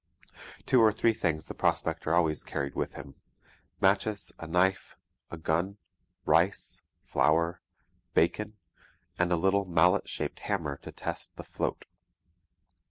Two or three things the prospector always carried with him matches, a knife, a gun, rice, flour, bacon, and a little mallet shaped hammer to test the 'float.'